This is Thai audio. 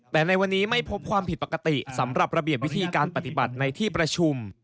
แต่ในวันนี้ไม่พบความผิดปกติสำหรับระเบียบวิธีการปฏิบัติในที่ประชุม